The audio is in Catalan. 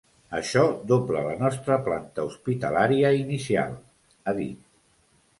“Això dobla la nostra planta hospitalària inicial”, ha dit.